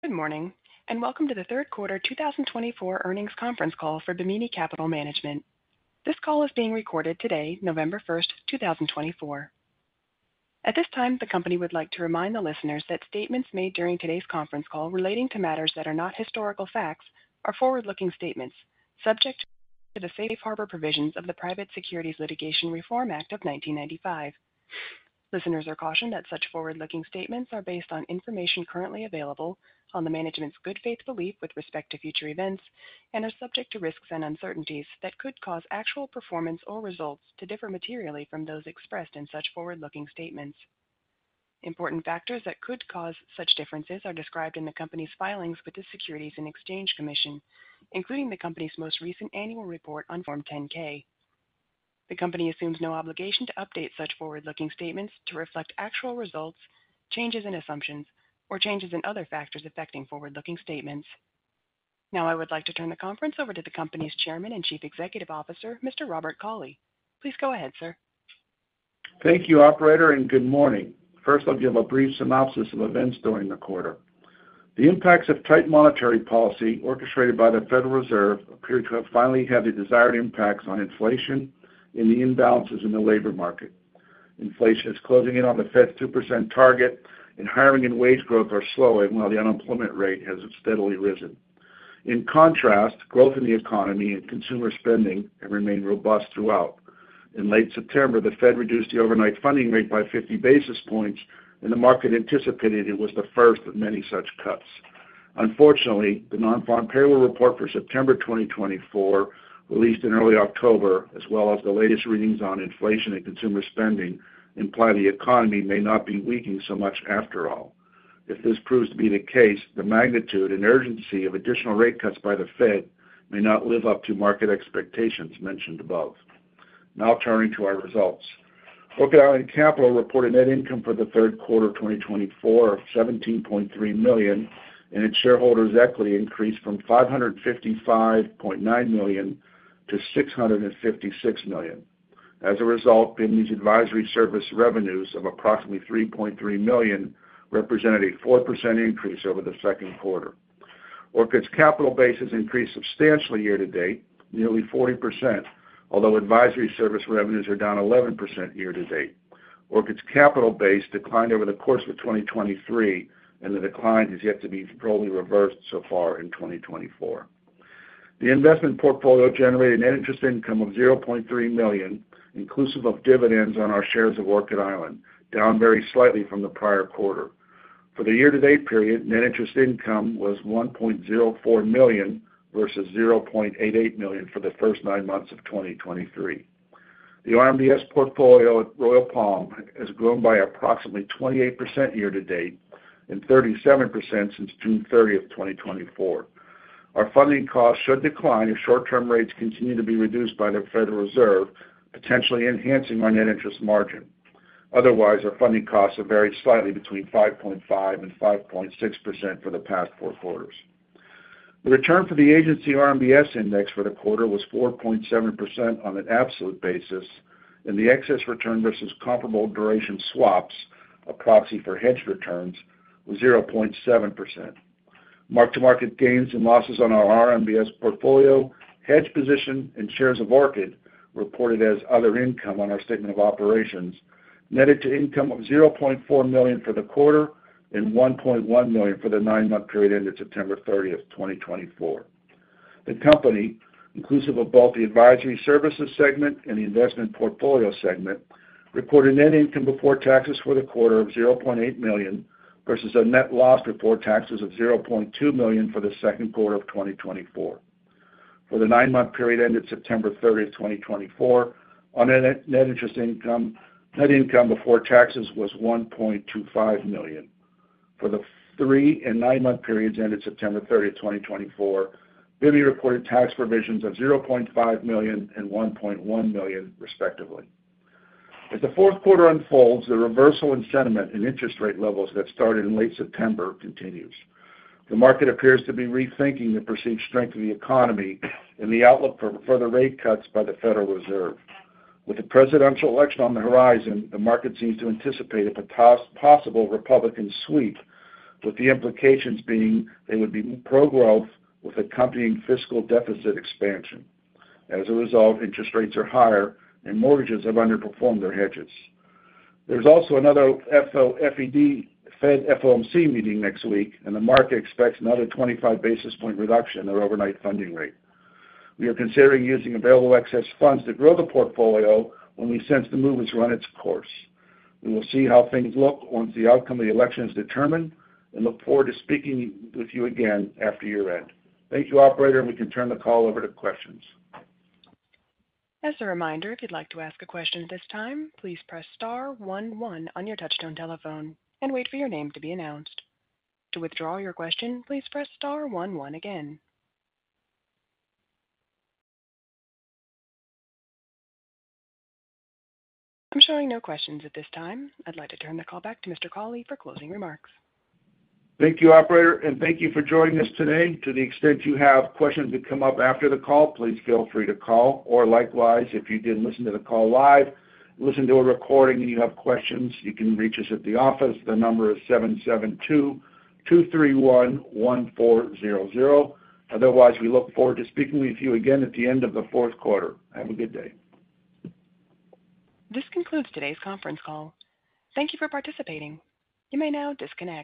Good morning, and welcome to The Q3 2024 Earnings Conference Call for Bimini Capital Management. This call is being recorded today, November 1st, 2024. At this time, the company would like to remind the listeners that statements made during today's conference call relating to matters that are not historical facts are forward-looking statements subject to the safe harbor provisions of the Private Securities Litigation Reform Act of 1995. Listeners are cautioned that such forward-looking statements are based on information currently available on the management's good faith belief with respect to future events and are subject to risks and uncertainties that could cause actual performance or results to differ materially from those expressed in such forward-looking statements. Important factors that could cause such differences are described in the company's filings with the Securities and Exchange Commission, including the company's most recent annual report on Form 10-K. The company assumes no obligation to update such forward-looking statements to reflect actual results, changes in assumptions, or changes in other factors affecting forward-looking statements. Now, I would like to turn the conference over to the company's Chairman and Chief Executive Officer, Mr. Robert E. Cauley. Please go ahead, sir. Thank you, operator, and good morning. First, I'll give a brief synopsis of events during the quarter. The impacts of tight monetary policy orchestrated by the Federal Reserve appear to have finally had the desired impacts on inflation and the imbalances in the labor market. Inflation is closing in on the Fed's 2% target, and hiring and wage growth are slowing while the unemployment rate has steadily risen. In contrast, growth in the economy and consumer spending have remained robust throughout. In late September, the Fed reduced the overnight funding rate by 50 basis points, and the market anticipated it was the first of many such cuts. Unfortunately, the Nonfarm Payroll report for September 2024, released in early October, as well as the latest readings on inflation and consumer spending, imply the economy may not be weakening so much after all. If this proves to be the case, the magnitude and urgency of additional rate cuts by the Fed may not live up to market expectations mentioned above. Now, turning to our results, Orchid Island Capital reported net income for the Q3 of 2024 of $17.3 million, and its shareholders' equity increased from $555.9 million to $656 million. As a result, Bimini's advisory service revenues of approximately $3.3 million represented a 4% increase over the Q2. Orchid's capital base has increased substantially year to date, nearly 40%, although advisory service revenues are down 11% year to date. Orchid's capital base declined over the course of 2023, and the decline has yet to be fully reversed so far in 2024. The investment portfolio generated net interest income of $0.3 million, inclusive of dividends on our shares of Orchid Island, down very slightly from the prior quarter. For the year-to-date period, net interest income was $1.04 million versus $0.88 million for the first nine months of 2023. The RMBS portfolio at Royal Palm has grown by approximately 28% year to date and 37% since June 30th, 2024. Our funding costs should decline if short-term rates continue to be reduced by the Federal Reserve, potentially enhancing our net interest margin. Otherwise, our funding costs have varied slightly between 5.5% and 5.6% for the past four quarters. The return for the agency RMBS index for the quarter was 4.7% on an absolute basis, and the excess return versus comparable duration swaps, a proxy for hedge returns, was 0.7%. Mark-to-market gains and losses on our RMBS portfolio, hedge position, and shares of Orchid reported as other income on our statement of operations netted to income of $0.4 million for the quarter and $1.1 million for the nine-month period ended September 30th, 2024. The company, inclusive of both the advisory services segment and the investment portfolio segment, recorded net income before taxes for the quarter of $0.8 million versus a net loss before taxes of $0.2 million for the Q2 of 2024. For the nine-month period ended September 30th, 2024, net income before taxes was $1.25 million. For the three and nine-month periods ended September 30th, 2024, Bimini reported tax provisions of $0.5 million and $1.1 million, respectively. As the Q4 unfolds, the reversal in sentiment and interest rate levels that started in late September continues. The market appears to be rethinking the perceived strength of the economy and the outlook for further rate cuts by the Federal Reserve. With the presidential election on the horizon, the market seems to anticipate a possible Republican sweep, with the implications being they would be pro-growth with accompanying fiscal deficit expansion. As a result, interest rates are higher, and mortgages have underperformed their hedges. There's also another Fed FOMC meeting next week, and the market expects another 25 basis point reduction in their overnight funding rate. We are considering using available excess funds to grow the portfolio when we sense the move has run its course. We will see how things look once the outcome of the election is determined and look forward to speaking with you again after year-end. Thank you, operator, and we can turn the call over to questions. As a reminder, if you'd like to ask a question at this time, please press star 11 on your touch-tone telephone and wait for your name to be announced. To withdraw your question, please press star 11 again. I'm showing no questions at this time. I'd like to turn the call back to Mr. Cauley for closing remarks. Thank you, operator, and thank you for joining us today. To the extent you have questions that come up after the call, please feel free to call. Or likewise, if you didn't listen to the call live, listen to a recording, and you have questions, you can reach us at the office. The number is 772-231-1400. Otherwise, we look forward to speaking with you again at the end of the Q4. Have a good day. This concludes today's conference call. Thank you for participating. You may now disconnect.